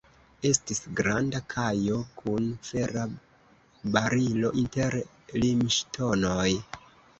Estis granda kajo kun fera barilo inter limŝtonoj.